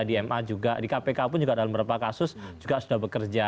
di ma juga di kpk pun juga dalam beberapa kasus juga sudah bekerja